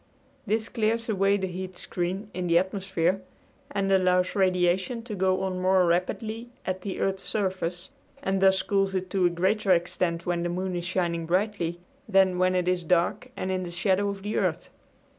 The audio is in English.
This clears away the heat screen in the atmosphere and allows radiation to go on more rapidly at the earth's surface, and thus cools it to a greater extent when the moon is shining brightly than when it is dark and in the shadow of the earth.